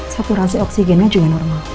saturasi oksigennya juga normal